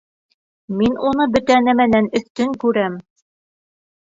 Мин уны бөтә нәмәнән өҫтөн күрәм.